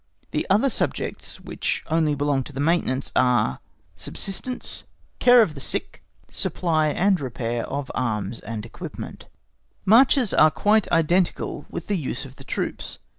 The other subjects, which only belong to the maintenance, are subsistence, care of the sick, the supply and repair of arms and equipment. Marches are quite identical with the use of the troops.